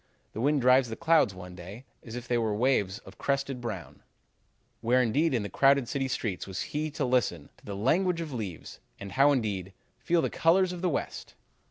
The wind drives the clouds one day as if they were waves of crested brown.' Where indeed in the crowded city streets was he to listen 'to the language of the leaves,' and how indeed, 'Feel the colors of the West.'